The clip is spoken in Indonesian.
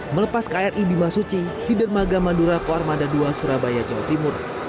melepas kri bimasuci di dermaga mandura kormada dua surabaya jawa timur